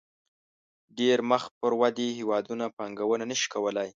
ډېری مخ پر ودې هېوادونه پانګونه نه شي کولای.